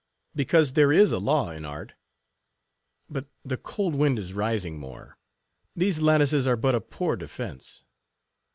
Because there is a law in art—but the cold wind is rising more; these lattices are but a poor defense.